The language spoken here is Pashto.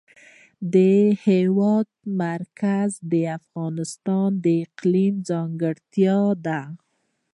د هېواد مرکز د افغانستان د اقلیم ځانګړتیا ده.